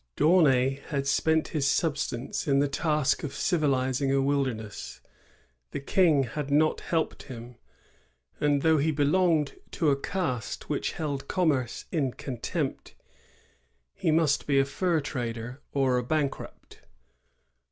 D*Aunay had spent his substance in the task of civilizing a wilderness.' The King had not helped him ; and though he belonged to a caste which held commerce in contempt, he must be a fur trader or a bankrupt.